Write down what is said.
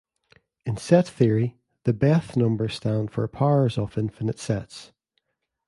In set theory, the beth numbers stand for powers of infinite sets.